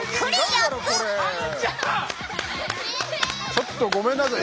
ちょっとごめんなさい。